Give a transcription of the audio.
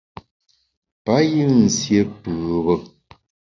Payù nsié pùbe.